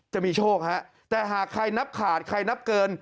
จะมีโชคฮะแต่หากใครนับขาดใครนับเกิน